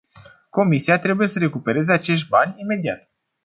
Comisia trebuie să recupereze acești bani imediat.